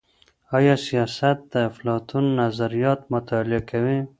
آیا سیاست د افلاطون نظریات مطالعه کوي؟